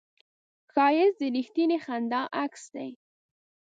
ښایست د رښتینې خندا عکس دی